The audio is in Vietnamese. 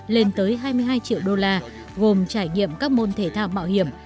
lên tới hai mươi hai triệu đô la gồm trải nghiệm các môn thể thao mạo hiểm